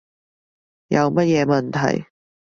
有乜嘢問題